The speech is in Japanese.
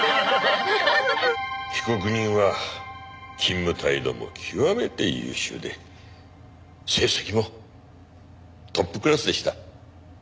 被告人は勤務態度も極めて優秀で成績もトップクラスでした。